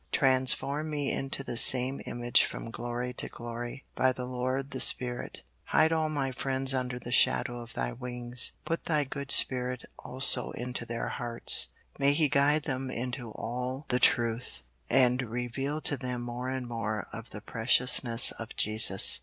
Transform me into the same image from glory to glory, by the Lord the Spirit. Hide all my friends under the shadow of Thy wings. Put Thy good Spirit also into their hearts. May He guide them into all the truth, and reveal to them more and more of the preciousness of Jesus.